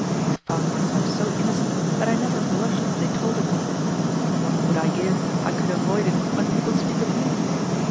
I found myself so innocent that I never blushed when they told it me. What would I give I could avoid it when people speak of you?